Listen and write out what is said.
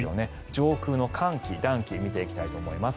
上空の寒気、暖気を見ていきたいと思います。